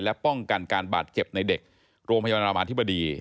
และป้องกันการบาดเจ็บในเด็กโรงพยาบาลรามาธิบดี